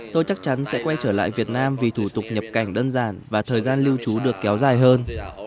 tôi chắc chắn sẽ quay trở lại việt nam vì thủ tục nhập cảnh đơn giản và thời gian lưu trú được kéo dài hơn